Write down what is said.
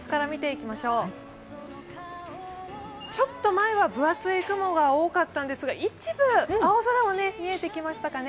ちょっと前は分厚い雲が多かったんですが、一部、青空も見えてきましたかね。